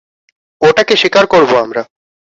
ওটাকে শিকার করবো আমরা।